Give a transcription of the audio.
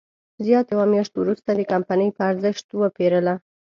زیات یوه میاشت وروسته د کمپنۍ په ارزښت وپېرله.